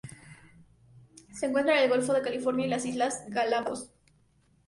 Se encuentra en el golfo de California y las islas Galápagos.